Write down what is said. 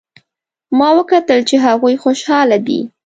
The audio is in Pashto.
ما وکتل چې هغوی خوشحاله دي